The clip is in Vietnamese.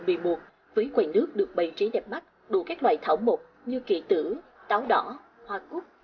với quầy nước được bày trí đẹp mắt đủ các loại thảo mộc như kỵ tử táo đỏ hoa cút